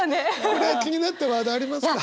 これは気になったワードありますか？